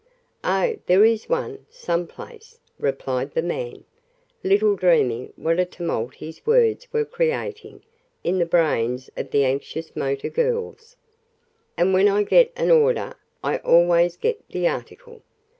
"Oh, there is one some place," replied the man, little dreaming what a tumult his words were creating in the brains of the anxious motor girls. "And when I get an order I always get the article.